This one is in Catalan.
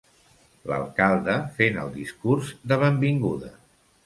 L'alcalde fent el discurs de benvinguda.